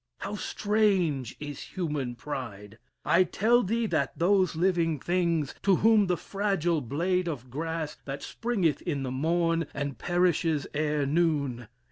How strange is human pride! I tell thee that those living things, To whom the fragile blade of grass, That springeth in the morn And perishes ere noon.